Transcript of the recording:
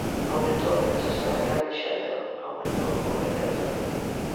Aumentou a brecha salarial de xénero, aumentou a pobreza infantil.